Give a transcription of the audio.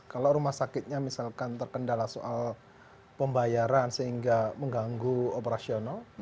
kalau rumah sakitnya misalkan terkendala soal pembayaran sehingga mengganggu operasional